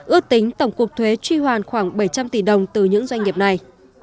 ước tính tổng cục thuế truy hoàn khoảng bảy trăm linh tỷ đồng từ những doanh nghiệp này